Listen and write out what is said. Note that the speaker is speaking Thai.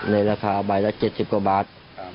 ในราคาใบละ๗๐กว่าบาท